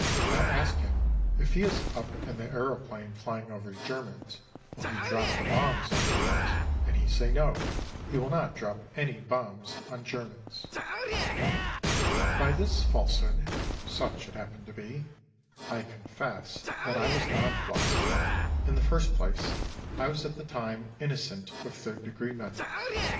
I ask him if he is up in the aeroplane flying over Germans will he drop the bombs on Germans and he say no, he will not drop any bombs on Germans." By this falsehood (such it happened to be) I confess that I was nonplussed. In the first place, I was at the time innocent of third degree methods.